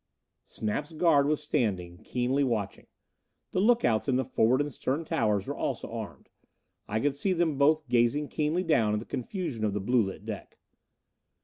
Snap's guard was standing, keenly watching. The look outs in the forward and stern towers were also armed; I could see them both gazing keenly down at the confusion of the blue lit deck.